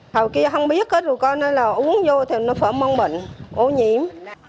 hầu kia không biết hết rồi con nên là uống vô thì nó phở mông bệnh ô nhiễm